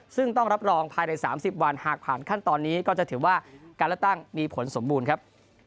ซึ่งต้องรับรองภายใน๓๐วันหากผ่านขั้นตอนนี้ก็จะถือว่าการเลือกตั้งมีผลสมบูรณ์ครับ